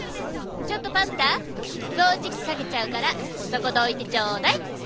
ちょっとパンタそうじきかけちゃうからそこどいてちょうだい。え。